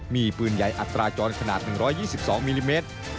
มีปืนใหญ่อัตราจรขนาด๑๒๒มิลลิเมตร